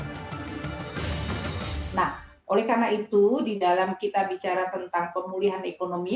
nah oleh karena itu di dalam kita bicara tentang pemulihan ekonomi